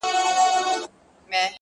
په سپورږمۍ كي زمــــا پــيــــر دى؛